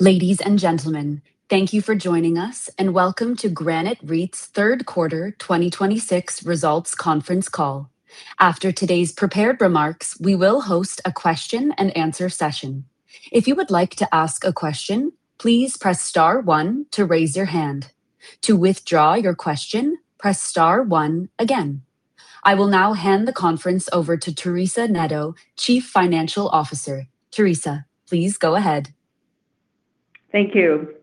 Ladies and gentlemen, thank you for joining us and welcome to Granite REIT's Third Quarter 2026 Results Conference Call. After today's prepared remarks, we will host a question and answer session. If you would like to ask to ask a question, please press star one to raise your hand. To withdraw your question, press star one again. I will now hand the conference over to Teresa Neto, Chief Financial Officer. Teresa, please go ahead. Thank you.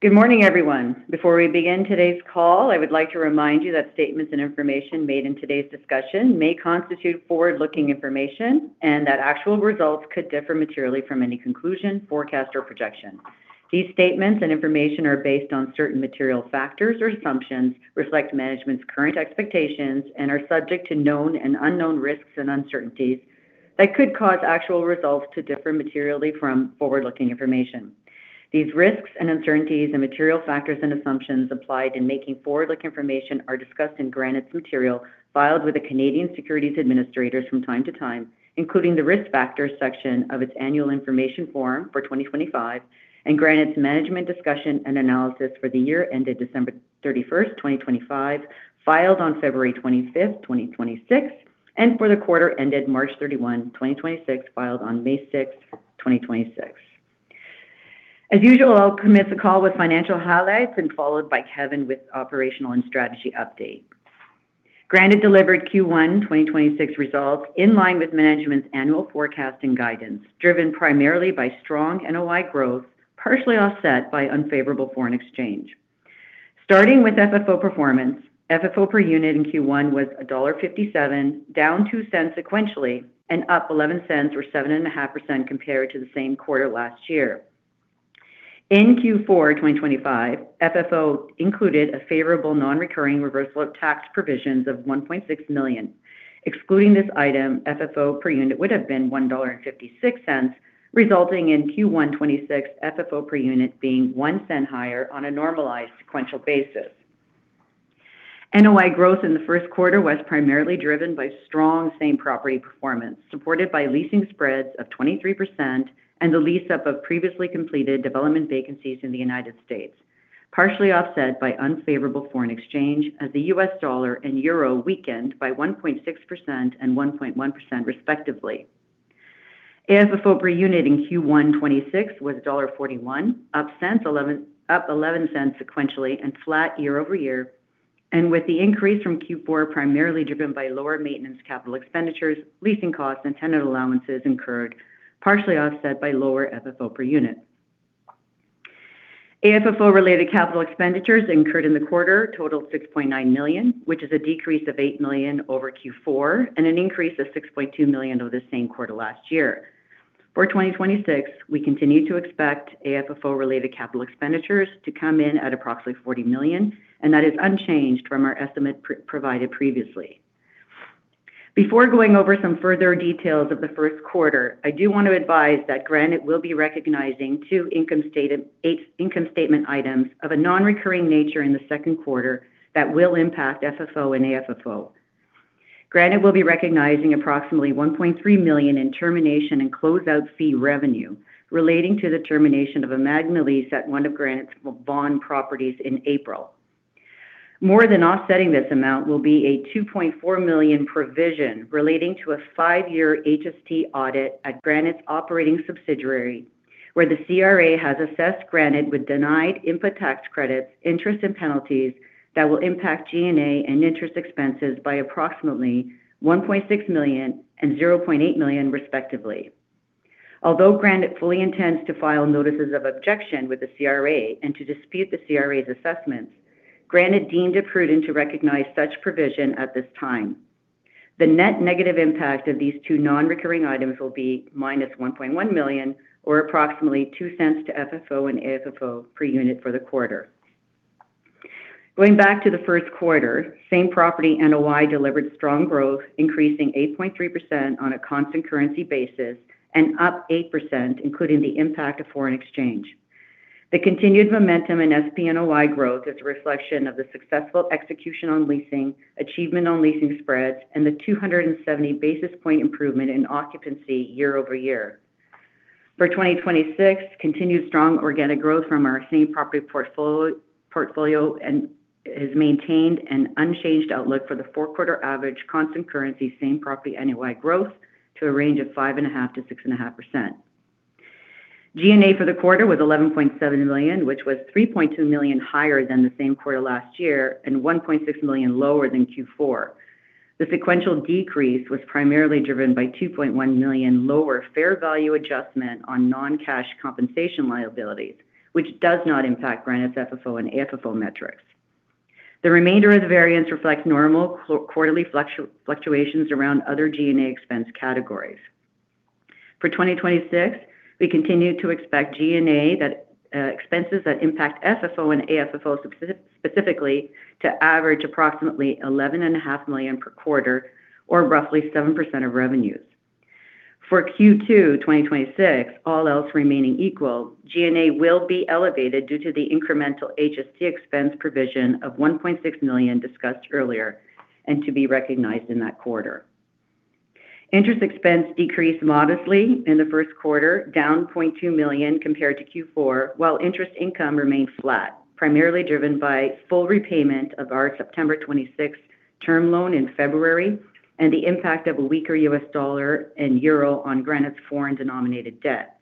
Good morning, everyone. Before we begin today's call, I would like to remind you that statements and information made in today's discussion may constitute forward-looking information and that actual results could differ materially from any conclusion, forecast, or projection. These statements and information are based on certain material factors or assumptions, reflect management's current expectations, and are subject to known and unknown risks and uncertainties that could cause actual results to differ materially from forward-looking information. These risks and uncertainties and material factors and assumptions applied in making forward-looking information are discussed in Granite's material filed with the Canadian Securities Administrators from time to time, including the Risk Factors section of its annual information form for 2025 and Granite's management discussion and analysis for the year ended December 31st, 2025, filed on February 25th, 2026, and for the quarter ended March 31, 2026, filed on May 6, 2026. As usual, I'll commence the call with financial highlights and followed by Kevan with operational and strategy update. Granite delivered Q1 2026 results in line with management's annual forecast and guidance, driven primarily by strong NOI growth, partially offset by unfavorable foreign exchange. Starting with FFO performance, FFO per unit in Q1 was dollar 1.57, down 0.02 sequentially and up 0.11 or 7.5% compared to the same quarter last year. In Q4 2025, FFO included a favorable non-recurring reversal of tax provisions of 1.6 million. Excluding this item, FFO per unit would have been 1.56 dollar, resulting in Q1 2026 FFO per unit being 0.01 higher on a normalized sequential basis. NOI growth in the first quarter was primarily driven by strong same property performance, supported by leasing spreads of 23% and the lease-up of previously completed development vacancies in the United States, partially offset by unfavorable foreign exchange as the U.S. dollar and euro weakened by 1.6% and 1.1% respectively. AFFO per unit in Q1 2026 was dollar 1.41, up 0.11 sequentially and flat year-over-year, with the increase from Q4 primarily driven by lower maintenance capital expenditures, leasing costs, and tenant allowances incurred, partially offset by lower FFO per unit. AFFO-related capital expenditures incurred in the quarter totaled 6.9 million, which is a decrease of 8 million over Q4 and an increase of 6.2 million over the same quarter last year. For 2026, we continue to expect AFFO-related capital expenditures to come in at approximately 40 million. That is unchanged from our estimate provided previously. Before going over some further details of the first quarter, I do want to advise that Granite will be recognizing two income statement items of a non-recurring nature in the second quarter that will impact FFO and AFFO. Granite will be recognizing approximately 1.3 million in termination and closeout fee revenue relating to the termination of a Magna lease at one of Granite's Vaughan properties in April. More than offsetting this amount will be a 2.4 million provision relating to a five-year HST audit at Granite's operating subsidiary, where the CRA has assessed Granite with denied input tax credits, interest, and penalties that will impact G&A and interest expenses by approximately 1.6 million and 0.8 million respectively. Although Granite fully intends to file notices of objection with the CRA and to dispute the CRA's assessments, Granite deemed it prudent to recognize such provision at this time. The net negative impact of these two non-recurring items will be minus 1.1 million, or approximately 0.02 to FFO and AFFO per unit for the quarter. Going back to the first quarter, same property NOI delivered strong growth, increasing 8.3% on a constant currency basis and up 8% including the impact of foreign exchange. The continued momentum in SPNOI growth is a reflection of the successful execution on leasing, achievement on leasing spreads, and the 270 basis point improvement in occupancy year-over-year. For 2026, continued strong organic growth from our same property portfolio and has maintained an unchanged outlook for the four-quarter average constant currency same property NOI growth to a range of 5.5%-6.5%. G&A for the quarter was 11.7 million, which was 3.2 million higher than the same quarter last year and 1.6 million lower than Q4. The sequential decrease was primarily driven by 2.1 million lower fair value adjustment on non-cash compensation liabilities, which does not impact Granite's FFO and AFFO metrics. The remainder of the variance reflects normal quarterly fluctuations around other G&A expense categories. For 2026, we continue to expect G&A expenses that impact FFO and AFFO specifically to average approximately 11.5 million per quarter or roughly 7% of revenues. For Q2 2026, all else remaining equal, G&A will be elevated due to the incremental HST expense provision of 1.6 million discussed earlier and to be recognized in that quarter. Interest expense decreased modestly in the first quarter, down 0.2 million compared to Q4, while interest income remained flat, primarily driven by full repayment of our September 26th term loan in February and the impact of a weaker U.S. dollar and euro on Granite's foreign denominated debt.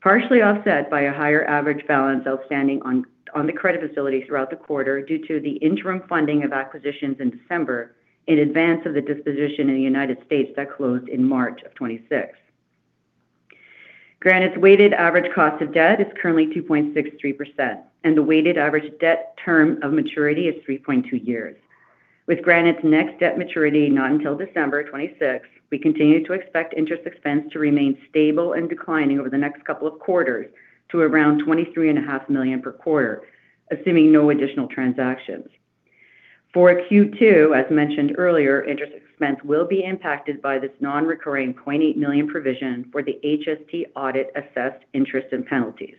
Partially offset by a higher average balance outstanding on the credit facility throughout the quarter due to the interim funding of acquisitions in December in advance of the disposition in the United States that closed in March of 2026. Granite's weighted average cost of debt is currently 2.63%, and the weighted average debt term of maturity is 3.2 years. With Granite's next debt maturity not until December 26th, we continue to expect interest expense to remain stable and declining over the next couple of quarters to around 23.5 million per quarter, assuming no additional transactions. For Q2, as mentioned earlier, interest expense will be impacted by this non-recurring 0.8 million provision for the HST audit assessed interest and penalties.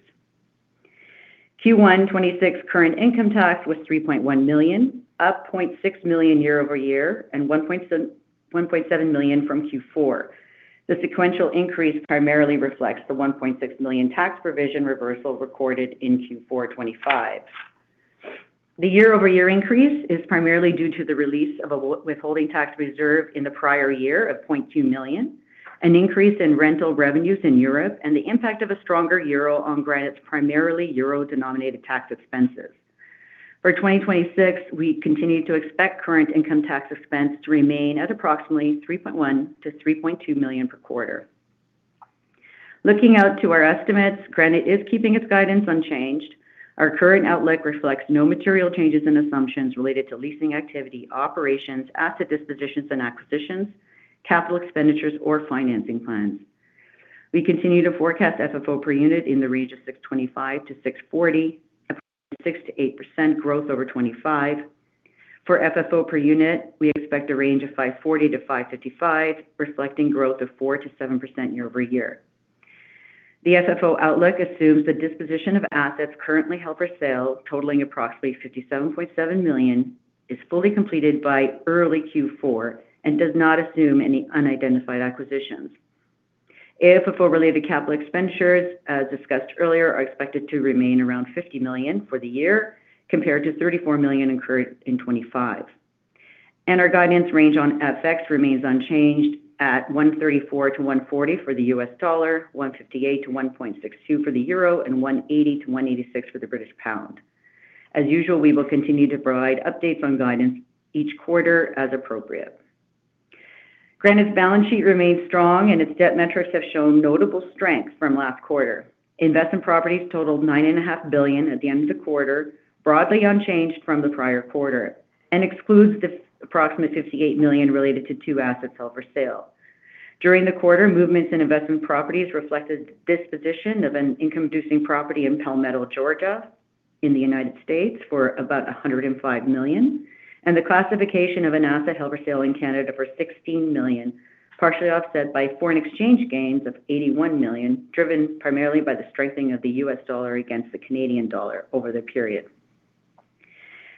Q1 2026 current income tax was 3.1 million, up 0.6 million year-over-year and 1.7 million from Q4. The sequential increase primarily reflects the 1.6 million tax provision reversal recorded in Q4 2025. The year-over-year increase is primarily due to the release of a withholding tax reserve in the prior year of 0.2 million, an increase in rental revenues in Europe, and the impact of a stronger euro on Granite's primarily euro-denominated tax expenses. For 2026, we continue to expect current income tax expense to remain at approximately 3.1 million-3.2 million per quarter. Looking out to our estimates, Granite is keeping its guidance unchanged. Our current outlook reflects no material changes in assumptions related to leasing activity, operations, asset dispositions and acquisitions, capital expenditures, or financing plans. We continue to forecast FFO per unit in the range of 6.25-6.40, approximately 6%-8% growth over 2025. For FFO per unit, we expect a range of 5.40-5.55, reflecting growth of 4%-7% year-over-year. The FFO outlook assumes the disposition of assets currently held for sale totaling approximately 57.7 million is fully completed by early Q4 and does not assume any unidentified acquisitions. FFO-related capital expenditures, as discussed earlier, are expected to remain around 50 million for the year compared to 34 million incurred in 2025. Our guidance range on FX remains unchanged at $1.34-$1.40 for the U.S. dollar, 1.58-1.62 for the euro, and 1.80-1.86 for the British pound. As usual, we will continue to provide updates on guidance each quarter as appropriate. Granite's balance sheet remains strong and its debt metrics have shown notable strength from last quarter. Investment properties totaled 9.5 billion at the end of the quarter, broadly unchanged from the prior quarter, excludes the approximately 58 million related to two assets held for sale. During the quarter, movements in investment properties reflected disposition of an income-producing property in Palmetto, Georgia in the United States for about 105 million, and the classification of an asset held for sale in Canada for 16 million, partially offset by foreign exchange gains of 81 million, driven primarily by the strengthening of the U.S. dollar against the Canadian dollar over the period.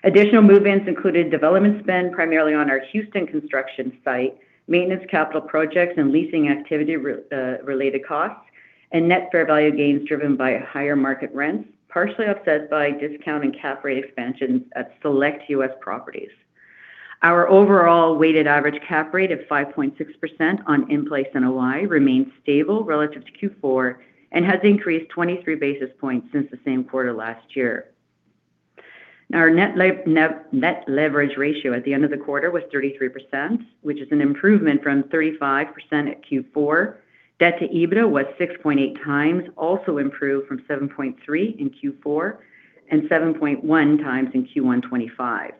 Additional movements included development spend primarily on our Houston construction site, maintenance capital projects, and leasing activity related costs, and net fair value gains driven by higher market rents, partially offset by discount and cap rate expansions at select U.S. properties. Our overall weighted average cap rate of 5.6% on in-place NOI remains stable relative to Q4 and has increased 23 basis points since the same quarter last year. Our net leverage ratio at the end of the quarter was 33%, which is an improvement from 35% at Q4. Debt to EBITDA was 6.8x, also improved from 7.3x in Q4 and 7.1x in Q1 2025.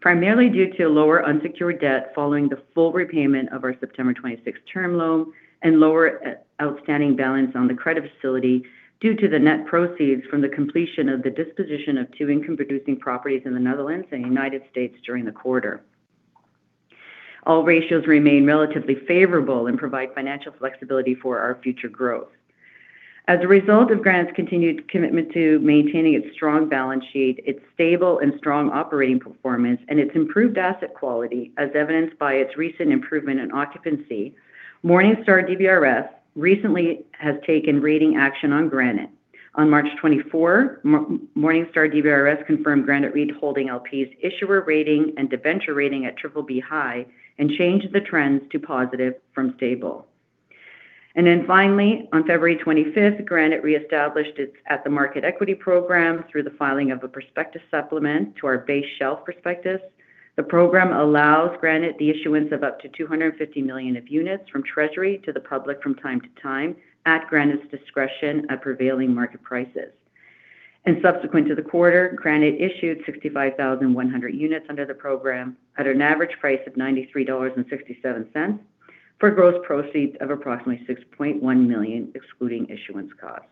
Primarily due to lower unsecured debt following the full repayment of our September 26 term loan and lower outstanding balance on the credit facility due to the net proceeds from the completion of the disposition of two income-producing properties in the Netherlands and United States during the quarter. All ratios remain relatively favorable and provide financial flexibility for our future growth. As a result of Granite's continued commitment to maintaining its strong balance sheet, its stable and strong operating performance, and its improved asset quality, as evidenced by its recent improvement in occupancy, Morningstar DBRS recently has taken rating action on Granite. On March 24, Morningstar DBRS confirmed Granite REIT Holding LP's issuer rating and debenture rating at BBB high and changed the trends to positive from stable. Finally, on February 25, Granite re-established its at the market equity program through the filing of a prospectus supplement to our base shelf prospectus. The program allows Granite the issuance of up to 250 million of units from Treasury to the public from time to time at Granite's discretion at prevailing market prices. Subsequent to the quarter, Granite issued 65,100 units under the program at an average price of 93.67 dollars for gross proceeds of approximately 6.1 million, excluding issuance costs.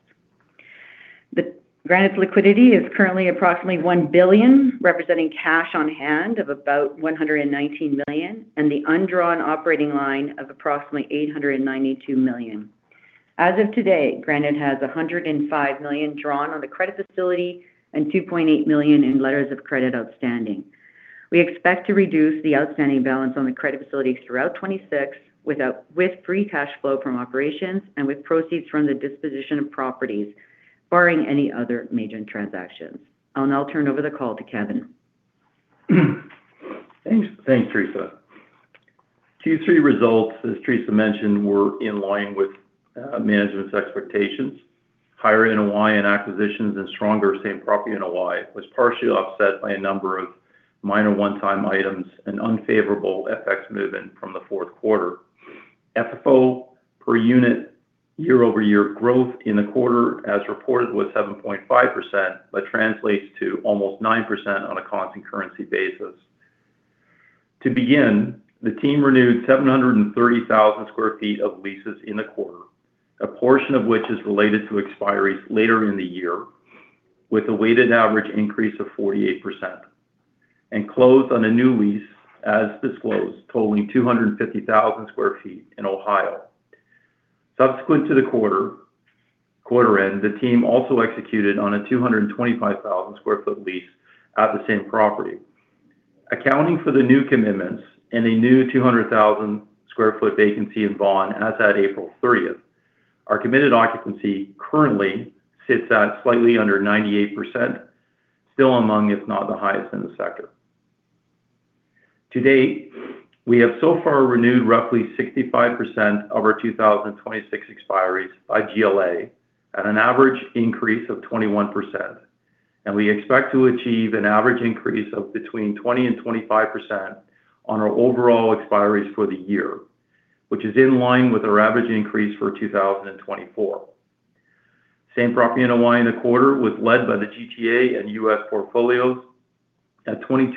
Granite's liquidity is currently approximately 1 billion, representing cash on hand of about 119 million, and the undrawn operating line of approximately 892 million. As of today, Granite has 105 million drawn on the credit facility and 2.8 million in letters of credit outstanding. We expect to reduce the outstanding balance on the credit facilities throughout 2026 with free cash flow from operations and with proceeds from the disposition of properties, barring any other major transactions. I'll now turn over the call to Kevan. Thanks, Teresa. Q3 results, as Teresa mentioned, were in line with management's expectations. Higher NOI and acquisitions and stronger same property NOI was partially offset by a number of minor one-time items and unfavorable FX movement from the fourth quarter. FFO per unit year-over-year growth in the quarter as reported was 7.5%, but translates to almost 9% on a constant currency basis. To begin, the team renewed 730,000 sq ft of leases in the quarter, a portion of which is related to expiries later in the year, with a weighted average increase of 48%, and closed on a new lease as disclosed, totaling 250,000 sq ft in Ohio. Subsequent to the quarter end, the team also executed on a 225,000 sq ft lease at the same property. Accounting for the new commitments and a new 200,000 sq ft vacancy in Vaughan as at April 30th, our committed occupancy currently sits at slightly under 98%, still among if not the highest in the sector. To date, we have so far renewed roughly 65% of our 2026 expiries by GLA at an average increase of 21%, and we expect to achieve an average increase of between 20% and 25% on our overall expiries for the year, which is in line with our average increase for 2024. Same property NOI in the quarter was led by the GTA and U.S. portfolios at 22%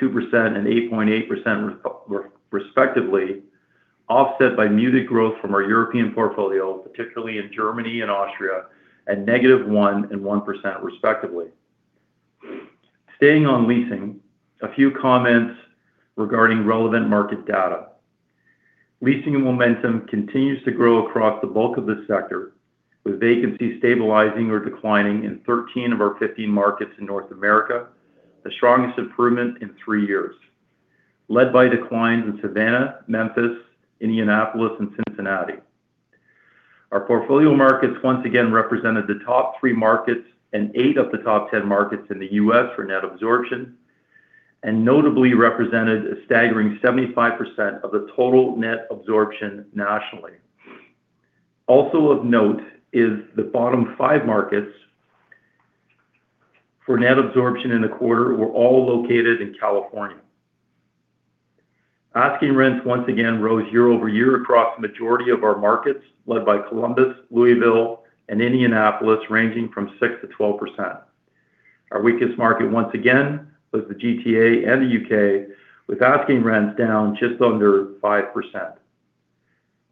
and 8.8% respectively, offset by muted growth from our European portfolio, particularly in Germany and Austria, at -1% and 1% respectively. Staying on leasing, a few comments regarding relevant market data. Leasing and momentum continues to grow across the bulk of the sector, with vacancy stabilizing or declining in 13 of our 15 markets in North America, the strongest improvement in three years, led by declines in Savannah, Memphis, Indianapolis, and Cincinnati. Our portfolio markets once again represented the top three markets and eight of the top 10 markets in the U.S. for net absorption, and notably represented a staggering 75% of the total net absorption nationally. Also of note is the bottom five markets for net absorption in the quarter were all located in California. Asking rents once again rose year-over-year across the majority of our markets, led by Columbus, Louisville, and Indianapolis, ranging from 6% to 12%. Our weakest market once again was the GTA and the U.K., with asking rents down just under 5%.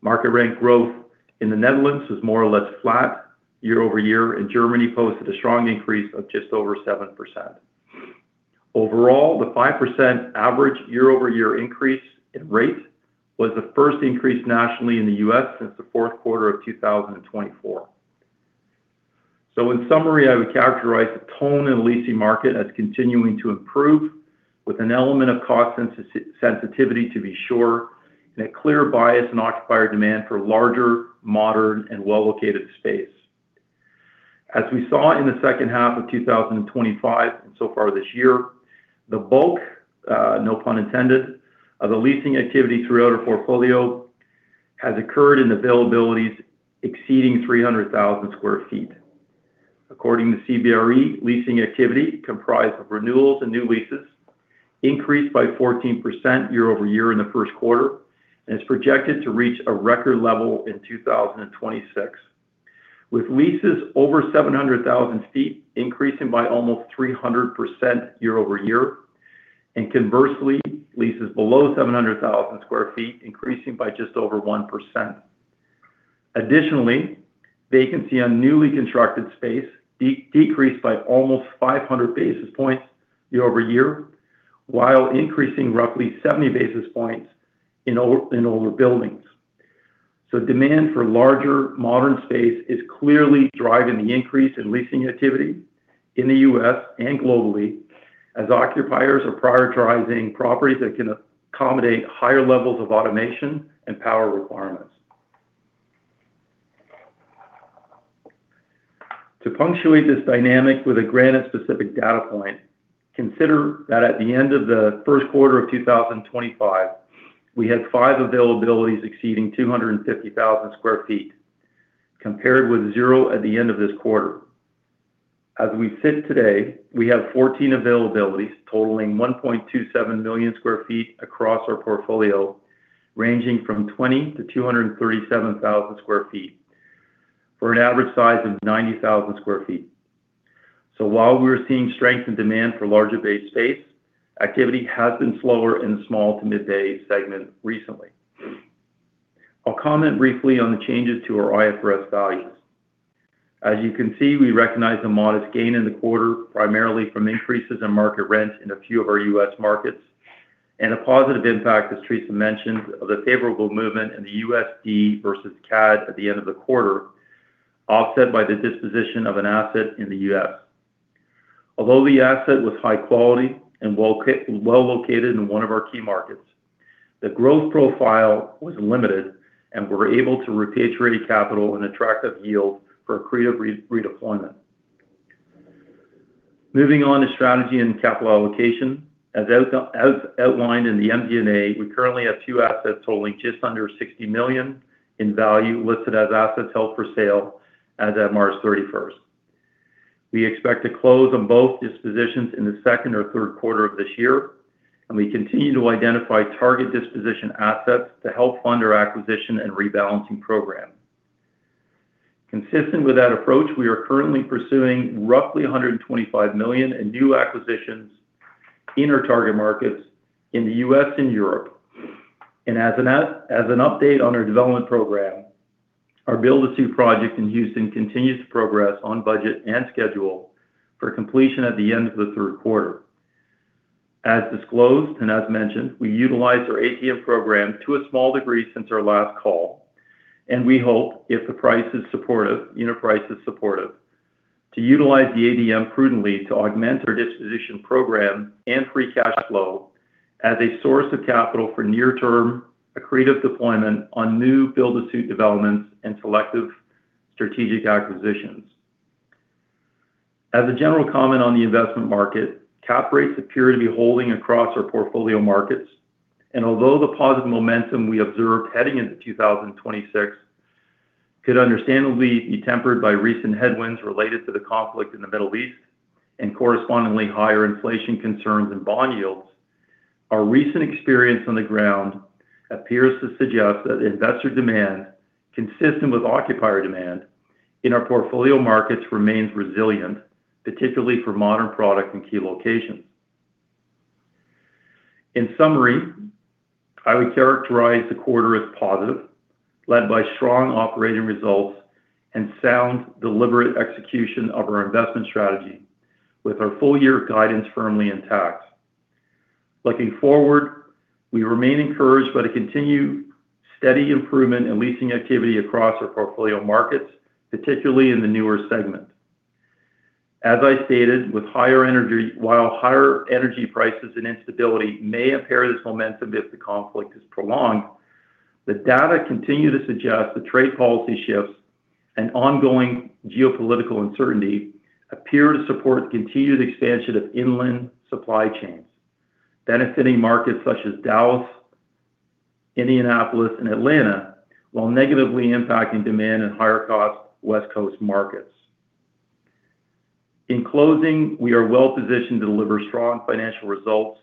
Market rent growth in the Netherlands was more or less flat year-over-year, and Germany posted a strong increase of just over 7%. Overall, the 5% average year-over-year increase in rate was the first increase nationally in the U.S. since the fourth quarter of 2024. In summary, I would characterize the tone in the leasing market as continuing to improve with an element of cost sensitivity to be sure, and a clear bias in occupier demand for larger, modern, and well-located space. As we saw in the second half of 2025 and so far this year, the bulk, no pun intended, of the leasing activity throughout our portfolio has occurred in availabilities exceeding 300,000 sq ft. According to CBRE, leasing activity comprised of renewals and new leases increased by 14% year-over-year in the first quarter and is projected to reach a record level in 2026, with leases over 700,000 sq ft increasing by almost 300% year-over-year, and conversely, leases below 700,000 sq ft increasing by just over 1%. Additionally, vacancy on newly constructed space decreased by almost 500 basis points year-over-year, while increasing roughly 70 basis points in older buildings. Demand for larger modern space is clearly driving the increase in leasing activity in the U.S. and globally as occupiers are prioritizing properties that can accommodate higher levels of automation and power requirements. To punctuate this dynamic with a Granite specific data point, consider that at the end of the first quarter of 2025, we had five availabilities exceeding 250,000 sq ft, compared with zero at the end of this quarter. As we sit today, we have 14 availabilities totaling 1.27 million sq ft across our portfolio ranging from 200,000 to 237,000 sq ft for an average size of 90,000 sq ft. While we're seeing strength and demand for larger bay space, activity has been slower in the small to mid day segment recently. I'll comment briefly on the changes to our IFRS values. As you can see, we recognized a modest gain in the quarter, primarily from increases in market rents in a few of our U.S. markets. A positive impact, as Teresa Neto mentioned, of the favorable movement in the USD versus CAD at the end of the quarter, offset by the disposition of an asset in the U.S. Although the asset was high quality and well located in one of our key markets, the growth profile was limited and we were able to repatriate capital and attractive yield for accretive redeployment. Moving on to strategy and capital allocation. As outlined in the MD&A, we currently have two assets totaling just under 60 million in value listed as assets held for sale as at March 31st. We expect to close on both dispositions in the second or third quarter of this year, and we continue to identify target disposition assets to help fund our acquisition and rebalancing program. Consistent with that approach, we are currently pursuing roughly 125 million in new acquisitions in our target markets in the U.S. and Europe. As an update on our development program, our build-to-suit project in Houston continues to progress on budget and schedule for completion at the end of the third quarter. As disclosed and as mentioned, we utilized our ATM program to a small degree since our last call. We hope, if the price is supportive, unit price is supportive, to utilize the ATM prudently to augment our disposition program and free cash flow as a source of capital for near-term accretive deployment on new build-to-suit developments and selective strategic acquisitions. As a general comment on the investment market, cap rates appear to be holding across our portfolio markets. Although the positive momentum we observed heading into 2026 could understandably be tempered by recent headwinds related to the conflict in the Middle East and correspondingly higher inflation concerns and bond yields, our recent experience on the ground appears to suggest that investor demand, consistent with occupier demand, in our portfolio markets remains resilient, particularly for modern product and key locations. In summary, I would characterize the quarter as positive, led by strong operating results and sound, deliberate execution of our investment strategy with our full year guidance firmly intact. Looking forward, we remain encouraged by the continued steady improvement in leasing activity across our portfolio markets, particularly in the newer segment. As I stated, while higher energy prices and instability may impair this momentum if the conflict is prolonged, the data continue to suggest that trade policy shifts and ongoing geopolitical uncertainty appear to support the continued expansion of inland supply chains, benefiting markets such as Dallas, Indianapolis, and Atlanta, while negatively impacting demand and higher-cost West Coast markets. In closing, we are well positioned to deliver strong financial results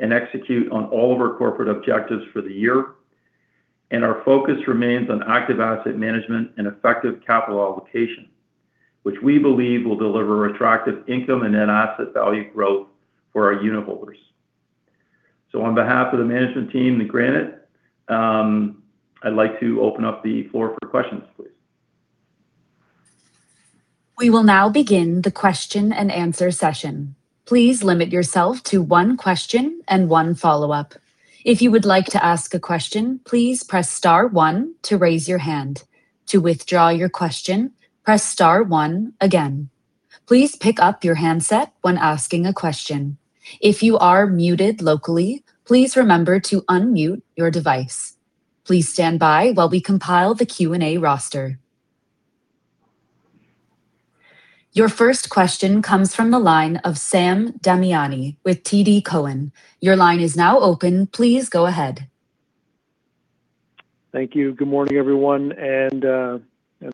and execute on all of our corporate objectives for the year. Our focus remains on active asset management and effective capital allocation, which we believe will deliver attractive income and net asset value growth for our unitholders. On behalf of the management team at Granite, I'd like to open up the floor for questions, please. We'll now begin the question and answer session. Please limit yourself to one question and follow-up. If you would like to ask to ask a question, please press star one to raise your hand. To withdraw your question, press star one again. Please pick-up your handset when asking a question. If you're muted locally, please remeber to unmute your device. Please stand by while we compile the Q&A roaster. Your first question comes from the line of Sam Damiani with TD Cowen. Your line is now open. Please go ahead. Thank you. Good morning, everyone.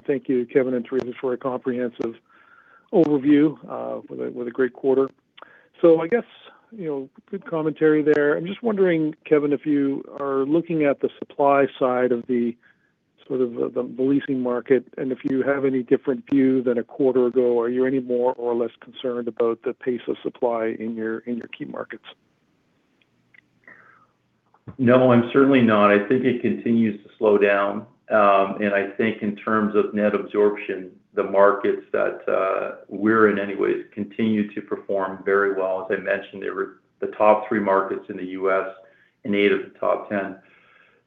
Thank you, Kevan and Teresa, for a comprehensive overview with a great quarter. I guess, you know, good commentary there. I'm just wondering, Kevan, if you are looking at the supply side of the sort of the leasing market, and if you have any different view than a quarter ago. Are you any more or less concerned about the pace of supply in your key markets? No, I'm certainly not. I think it continues to slow down. I think in terms of net absorption, the markets that we're in anyways continue to perform very well. As I mentioned, they were the top three markets in the U.S. and eight of the top 10.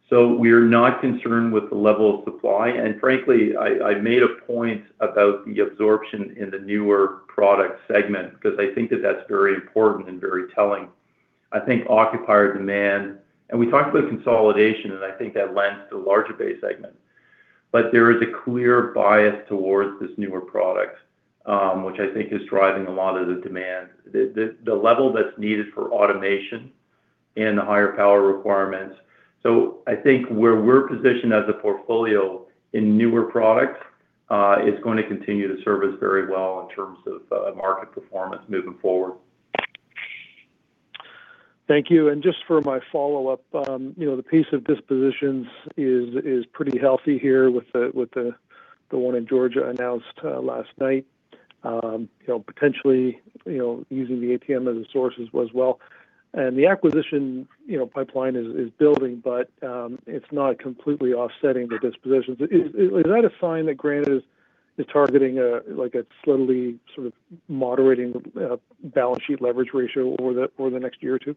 We're not concerned with the level of supply. Frankly, I made a point about the absorption in the newer product segment because I think that that's very important and very telling. I think occupier demand, and we talked about consolidation, and I think that lends to larger bay segment. There is a clear bias towards this newer product, which I think is driving a lot of the demand. The level that's needed for automation and the higher power requirements. I think where we're positioned as a portfolio in newer products, is going to continue to serve us very well in terms of, market performance moving forward. Thank you. Just for my follow-up, you know, the pace of dispositions is pretty healthy here with the one in Georgia announced last night. You know, potentially, you know, using the ATM as a source as well. The acquisition, you know, pipeline is building, but it's not completely offsetting the dispositions. Is that a sign that Granite is targeting like a slightly sort of moderating balance sheet leverage ratio over the next year or two?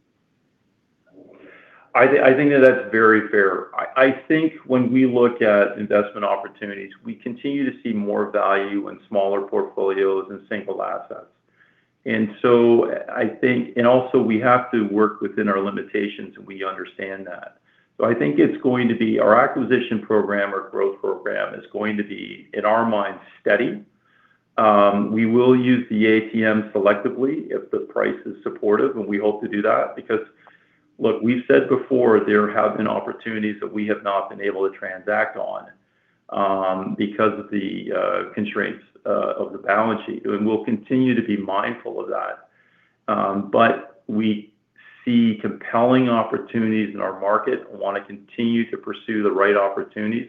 I think that that's very fair. I think when we look at investment opportunities, we continue to see more value in smaller portfolios and single assets. I think we have to work within our limitations, and we understand that. I think it's going to be our acquisition program or growth program is going to be, in our minds, steady. We will use the ATM selectively if the price is supportive, and we hope to do that because look, we've said before there have been opportunities that we have not been able to transact on because of the constraints of the balance sheet. We'll continue to be mindful of that. We see compelling opportunities in our market and wanna continue to pursue the right opportunities.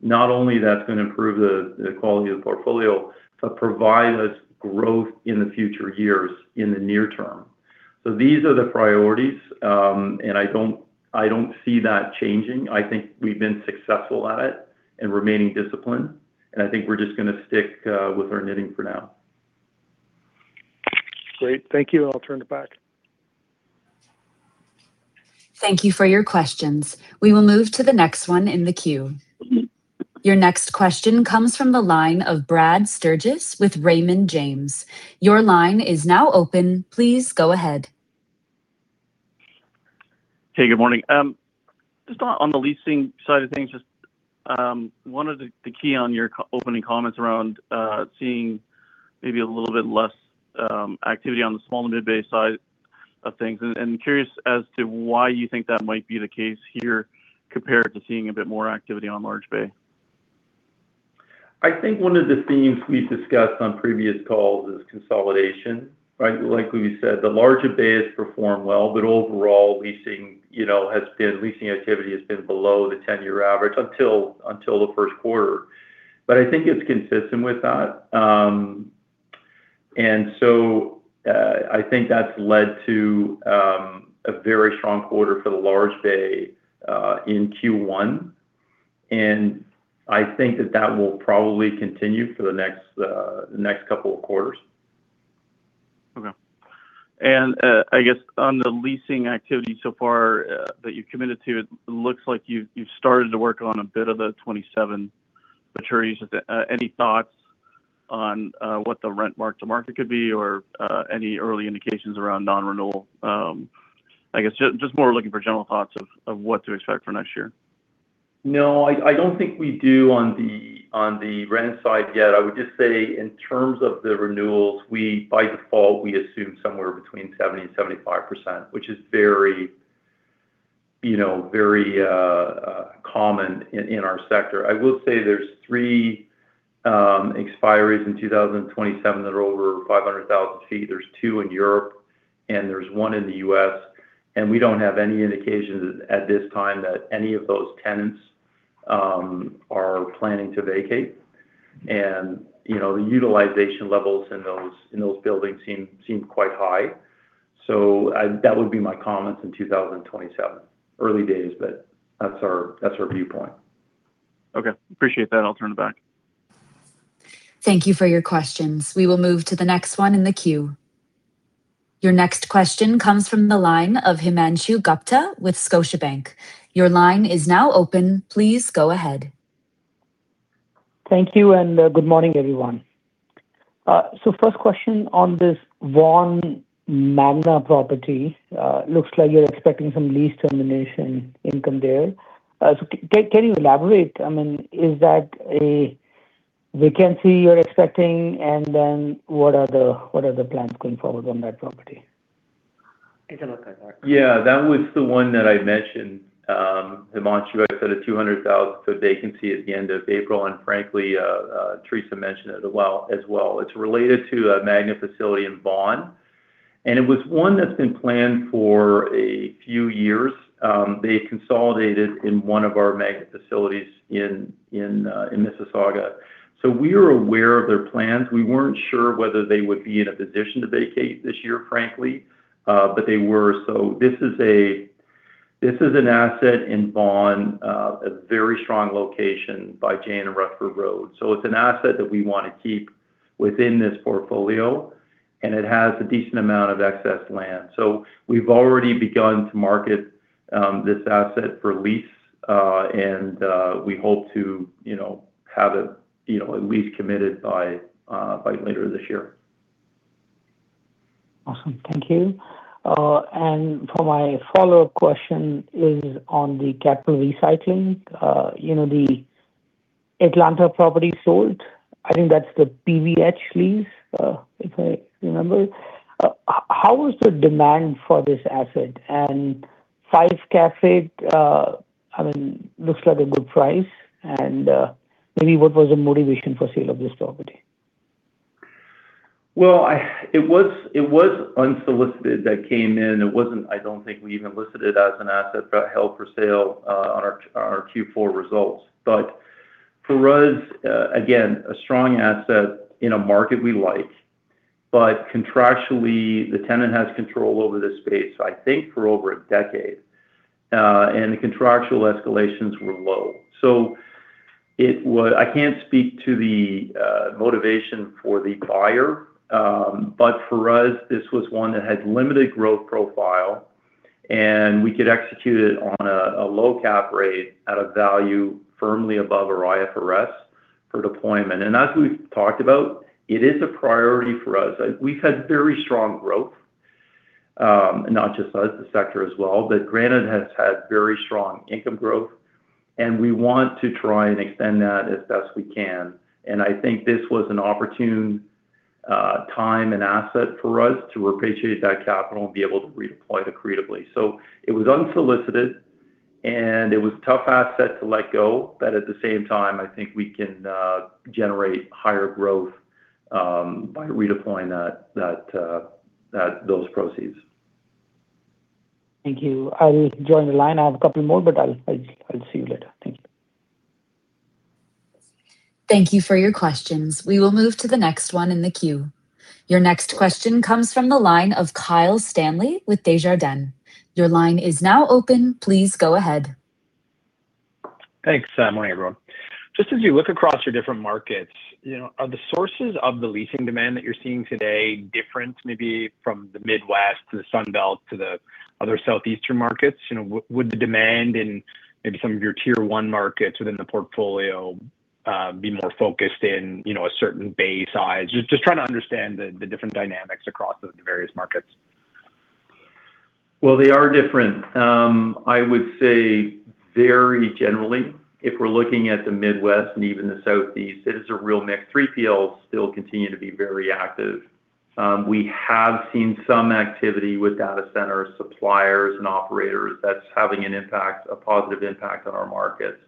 Not only that's gonna improve the quality of the portfolio, but provide us growth in the future years in the near term. These are the priorities. I don't see that changing. I think we've been successful at it and remaining disciplined, and I think we're just gonna stick with our knitting for now. Great. Thank you. I'll turn it back. Thank you for your questions. We will move to the next one in the queue. Your next question comes from the line of Brad Sturges with Raymond James. Your line is now open. Please go ahead. Hey, good morning. Just on the leasing side of things, just one of the key on your opening comments around seeing maybe a little bit less activity on the small and mid bay side of things. Curious as to why you think that might be the case here compared to seeing a bit more activity on large bay. I think one of the themes we've discussed on previous calls is consolidation, right? Like we said, the larger bays perform well, but overall leasing, you know, leasing activity has been below the 10-year average until the first quarter. I think it's consistent with that. I think that's led to a very strong quarter for the large bay in Q1, and I think that will probably continue for the next couple of quarters. Okay. I guess on the leasing activity so far, that you've committed to, it looks like you've started to work on a bit of the 2027 maturities. Any thoughts on what the rent mark to market could be or any early indications around non-renewal? I guess just more looking for general thoughts of what to expect for next year. No, I don't think we do on the rent side yet. I would just say in terms of the renewals, we by default, we assume somewhere between 70% and 75%, which is very, you know, very common in our sector. I will say there's three expiries in 2027 that are over 500,000 ft. There's two in Europe, and there's one in the U.S., and we don't have any indications at this time that any of those tenants are planning to vacate. You know, the utilization levels in those buildings seem quite high. That would be my comments in 2027. Early days, that's our viewpoint. Okay. Appreciate that. I will turn it back. Thank you for your questions. We will move to the next one in the queue. Your next question comes from the line of Himanshu Gupta with Scotiabank. Your line is now open. Please go ahead. Thank you, good morning, everyone. First question on this Vaughan/Magna property. Looks like you're expecting some lease termination income there. Can you elaborate? I mean, is that a vacancy you're expecting? What are the plans going forward on that property? Yeah. That was the one that I mentioned, Himanshu. I said a 200,000 sq ft vacancy at the end of April. Frankly, Teresa mentioned it as well. It's related to a Magna facility in Vaughan, and it was one that's been planned for a few years. They consolidated in one of our Magna facilities in Mississauga. We are aware of their plans. We weren't sure whether they would be in a position to vacate this year, frankly. They were. This is an asset in Vaughan, a very strong location by Jane and Rutherford Road. It's an asset that we wanna keep within this portfolio, and it has a decent amount of excess land. We've already begun to market this asset for lease, and we hope to, you know, have it, you know, at least committed by later this year. Awesome. Thank you. For my follow-up question is on the capital recycling. You know, the Atlanta property sold. I think that's the PVH lease, if I remember. How was the demand for this asset? Five cap, I mean, looks like a good price. Maybe what was the motivation for sale of this property? It was unsolicited that came in. It wasn't I don't think we even listed it as an asset held for sale on our Q4 results. For us, again, a strong asset in a market we like, but contractually the tenant has control over this space, I think for over a decade. The contractual escalations were low. It was I can't speak to the motivation for the buyer, but for us, this was one that had limited growth profile, and we could execute it on a low cap rate at a value firmly above our IFRS for deployment. As we've talked about, it is a priority for us. We've had very strong growth, and not just us, the sector as well, but Granite has had very strong income growth, and we want to try and extend that as best we can. I think this was an opportune time and asset for us to repatriate that capital and be able to redeploy it creatively. It was unsolicited, and it was a tough asset to let go. At the same time, I think we can generate higher growth by redeploying that, those proceeds. Thank you. I'll join the line. I have a couple more, but I'll see you later. Thank you. Thank you for your questions. We will move to the next one in the queue. Your next question comes from the line of Kyle Stanley with Desjardins. Your line is now open. Please go ahead. Thanks. Good morning, everyone. Just as you look across your different markets, you know, are the sources of the leasing demand that you're seeing today different maybe from the Midwest to the Sun Belt to the other Southeastern markets? You know, would the demand in maybe some of your Tier 1 markets within the portfolio be more focused in, you know, a certain base size? Just trying to understand the different dynamics across the various markets. They are different. I would say very generally, if we're looking at the Midwest and even the Southeast, this is our real mech 3PLs still continue to be very active. We have seen some activity with data center suppliers and operators that's having a positive impact on our markets.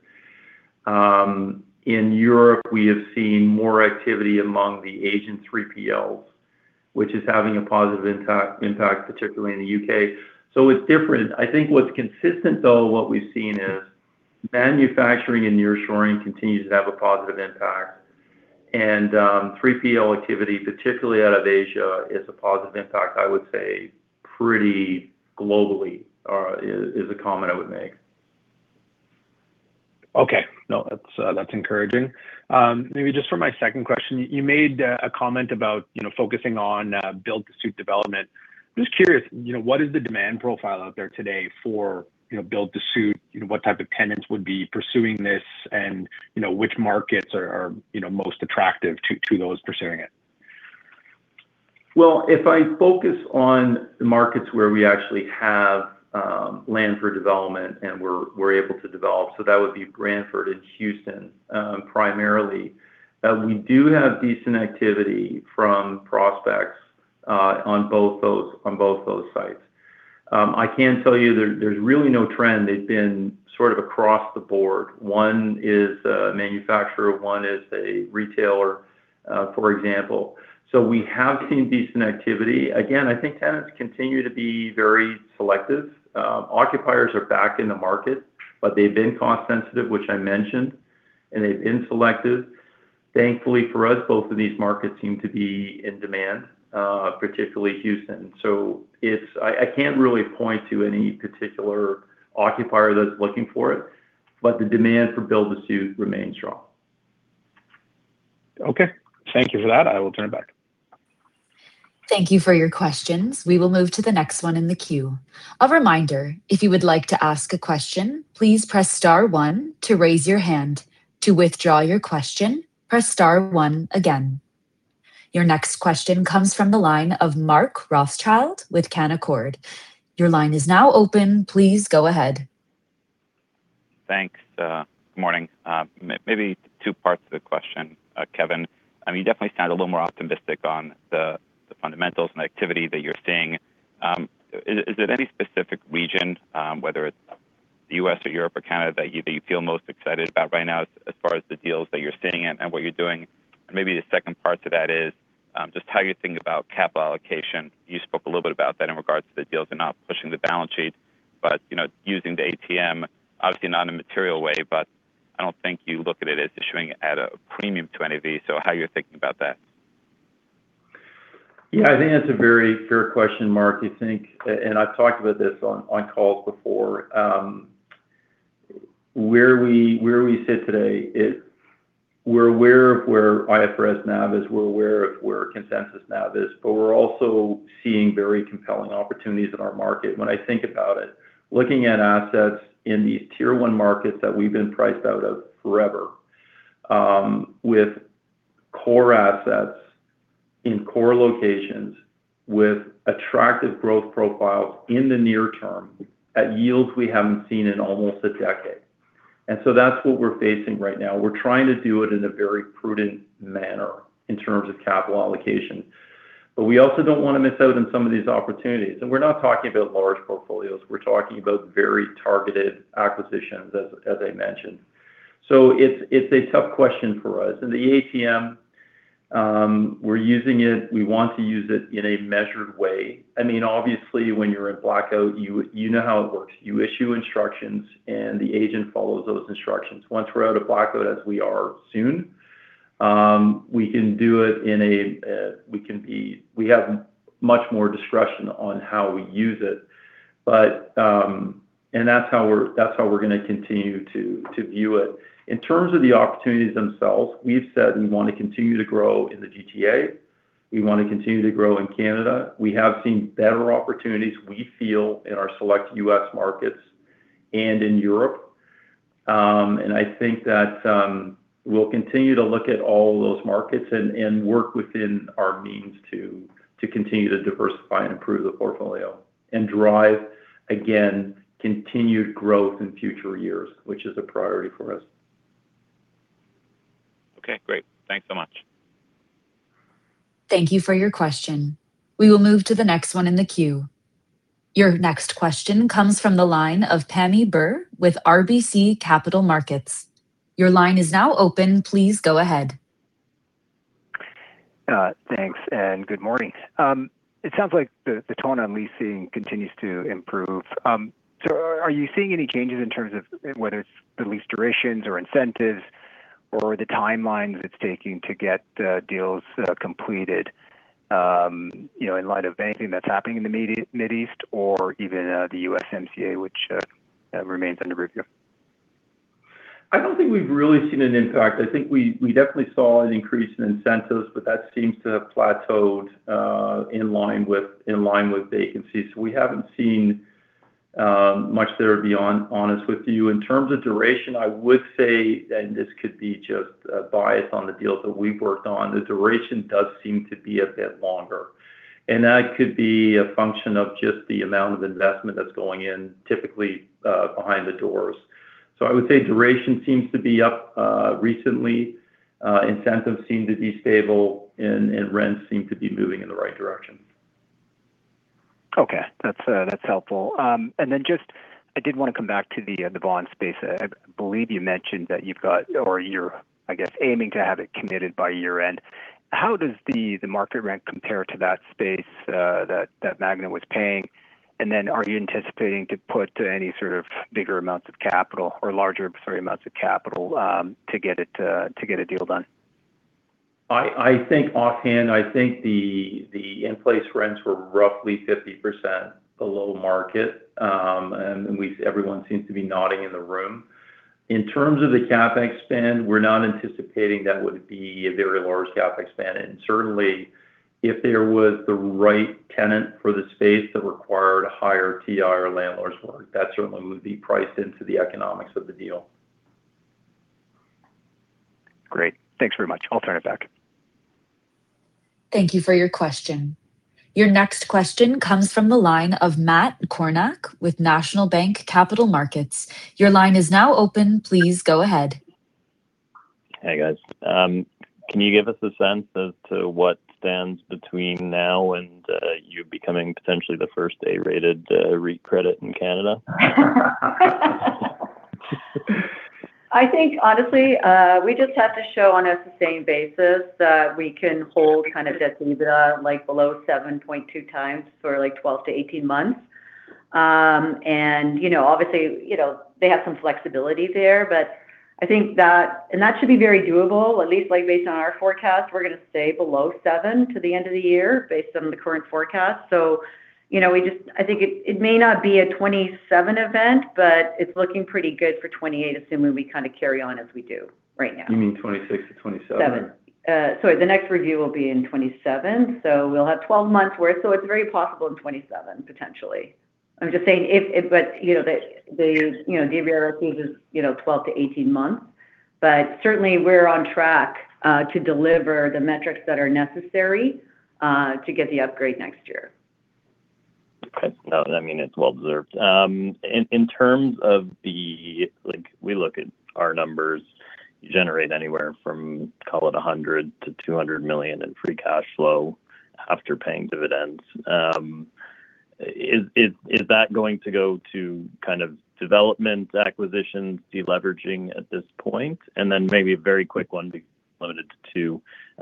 In Europe, we have seen more activity among the Asian 3PLs, which is having a positive impact, particularly in the U.K. It's different. I think what's consistent though in what we've seen is manufacturing and nearshoring continues to have a positive impact. 3PL activity, particularly out of Asia, is a positive impact, I would say pretty globally, is a comment I would make. Okay. No, that's encouraging. Maybe just for my second question, you made a comment about, you know, focusing on, build to suit development. Just curious, you know, what is the demand profile out there today for, you know, build to suit? You know, what type of tenants would be pursuing this? Which markets are, you know, most attractive to those pursuing it? If I focus on the markets where we actually have land for development and we're able to develop, so that would be Brantford and Houston primarily. We do have decent activity from prospects on both those sites. I can tell you there's really no trend. They've been sort of across the board. One is a manufacturer, one is a retailer, for example. We have seen decent activity. I think tenants continue to be very selective. Occupiers are back in the market, but they've been cost sensitive, which I mentioned, and they've been selective. Thankfully for us, both of these markets seem to be in demand, particularly Houston. I can't really point to any particular occupier that's looking for it, but the demand for build to suit remains strong. Okay. Thank you for that. I will turn it back. Thank you for your questions. We will move to the next one in the queue. A reminder, if you would like to ask a question, please press star one to raise your hand. To withdraw your question, press star one again. Your next question comes from the line of Mark Rothschild with Canaccord. Your line is now open. Please go ahead. Thanks. Good morning. Maybe two parts to the question, Kevan. I mean, you definitely sound a little more optimistic on the fundamentals and activity that you're seeing. Is it any specific region, whether it's the U.S. or Europe or Canada that you feel most excited about right now as far as the deals that you're sitting in and what you're doing? Maybe the second part to that is just how you think about capital allocation. You spoke a little bit about that in regards to the deals and not pushing the balance sheet, but, you know, using the ATM, obviously not in a material way, but I don't think you look at it as issuing at a premium to NAV. How you're thinking about that? Yeah. I think that's a very fair question, Mark. I've talked about this on calls before. Where we sit today is we're aware of where IFRS NAV is, we're aware of where consensus NAV is, but we're also seeing very compelling opportunities in our market. When I think about it, looking at assets in these Tier 1 markets that we've been priced out of forever, with core assets in core locations with attractive growth profiles in the near term at yields we haven't seen in almost a decade. That's what we're facing right now. We're trying to do it in a very prudent manner in terms of capital allocation. We also don't want to miss out on some of these opportunities. We're not talking about large portfolios. We're talking about very targeted acquisitions, as I mentioned. It's a tough question for us. The ATM, we're using it. We want to use it in a measured way. I mean, obviously, when you're in blackout, you know how it works. You issue instructions, and the agent follows those instructions. Once we're out of blackout, as we are soon, we have much more discretion on how we use it. That's how we're going to continue to view it. In terms of the opportunities themselves, we've said we want to continue to grow in the GTA. We want to continue to grow in Canada. We have seen better opportunities, we feel, in our select U.S. markets and in Europe. I think that we'll continue to look at all those markets and work within our means to continue to diversify and improve the portfolio and drive, again, continued growth in future years, which is a priority for us. Okay, great. Thanks so much. Thank you for your question. We will move to the next one in the queue. Your next question comes from the line of Pammi Bir with RBC Capital Markets. Your line is now open. Please go ahead. Thanks. Good morning. It sounds like the tone on leasing continues to improve. Are you seeing any changes in terms of whether it's the lease durations or incentives or the timelines it's taking to get deals completed, you know, in light of anything that's happening in the Middle East or even the USMCA, which remains under review? I don't think we've really seen an impact. I think we definitely saw an increase in incentives, but that seems to have plateaued, in line with, in line with vacancies. We haven't seen much there, to be honest with you. In terms of duration, I would say, and this could be just a bias on the deals that we've worked on, the duration does seem to be a bit longer, and that could be a function of just the amount of investment that's going in typically, behind the doors. I would say duration seems to be up recently. Incentives seem to be stable, and rents seem to be moving in the right direction. Okay. That's that's helpful. Then just I did want to come back to the Vaughan space. I believe you mentioned that you've got or you're, I guess, aiming to have it committed by year-end. How does the market rent compare to that space that Magna was paying? Then are you anticipating to put any sort of bigger amounts of capital or larger sorry amounts of capital to get it to get a deal done? I think offhand, I think the in-place rents were roughly 50% below market. Everyone seems to be nodding in the room. In terms of the CapEx spend, we're not anticipating that would be a very large CapEx spend. Certainly, if there was the right tenant for the space that required a higher TI or landlord spend, that certainly would be priced into the economics of the deal. Great. Thanks very much. I'll turn it back. Thank you for your question. Your next question comes from the line of Matt Kornack with National Bank Capital Markets. Your line is open. Please go ahead. Hey, guys. Can you give us a sense as to what stands between now and you becoming potentially the first A-rated REIT credit in Canada? I think honestly, we just have to show on a sustained basis that we can hold kind of debt to EBITDA, like below 7.2x for like 12-18 months. you know, obviously, you know, they have some flexibility there, but that should be very doable, at least like based on our forecast. We're going to stay below 7x to the end of the year based on the current forecast. you know, I think it may not be a 2027 event, but it's looking pretty good for 2028, assuming we kind of carry on as we do right now. You mean 2026 to 2027. The next review will be in 2027, so we'll have 12 months worth. It's very possible in 2027, potentially. I'm just saying, you know, the, you know, DBRS is, you know, 12-18 months. Certainly, we're on track to deliver the metrics that are necessary to get the upgrade next year. Okay. No, I mean, it's well-deserved. Like we look at our numbers, you generate anywhere from call it 100 million to 200 million in free cash flow after paying dividends. Is that going to go to kind of development, acquisitions, de-leveraging at this point? Maybe a very quick one limited to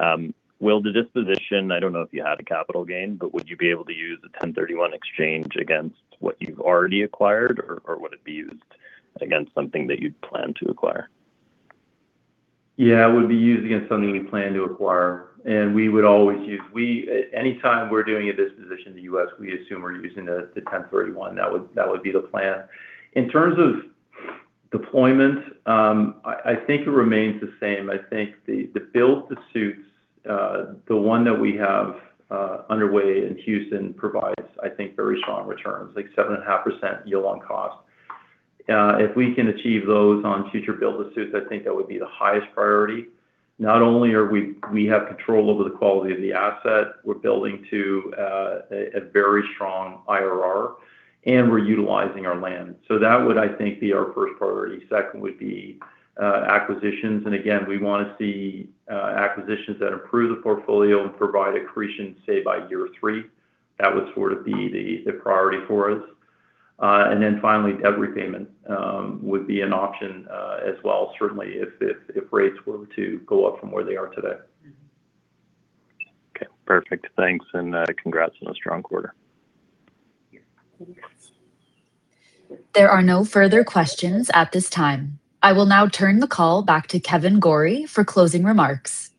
two. Will the disposition, I don't know if you had a capital gain, but would you be able to use the 1031 exchange against what you've already acquired, or would it be used against something that you'd plan to acquire? It would be used against something we plan to acquire, and we would always use. Anytime we're doing a disposition in the U.S., we assume we're using the 1031. That would be the plan. In terms of deployment, I think it remains the same. I think the build to suits, the one that we have underway in Houston provides, I think, very strong returns, like 7.5% yield on cost. If we can achieve those on future build to suits, I think that would be the highest priority. Not only we have control over the quality of the asset, we're building to a very strong IRR, and we're utilizing our land. That would, I think, be our first priority. Second would be acquisitions. Again, we wanna see acquisitions that improve the portfolio and provide accretion, say, by year three. That would sort of be the priority for us. Finally, debt repayment would be an option as well, certainly if rates were to go up from where they are today. Okay, perfect. Thanks and congrats on a strong quarter. Thanks. There are no further questions at this time. I will now turn the call back to Kevan Gorrie for closing remarks.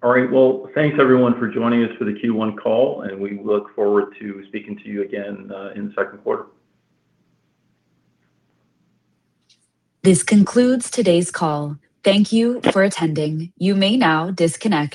All right. Well, thanks everyone for joining us for the Q1 call. We look forward to speaking to you again in the second quarter. This concludes today's call. Thank you for attending. You may now disconnect.